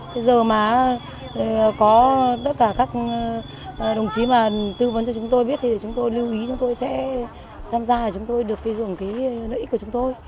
thế giờ mà có tất cả các đồng chí mà tư vấn cho chúng tôi biết thì chúng tôi lưu ý chúng tôi sẽ tham gia và chúng tôi được hưởng cái nợ ích của chúng tôi